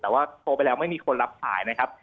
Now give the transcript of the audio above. แต่ว่าโทรไปแล้วไม่มีคนรับสายนะครับ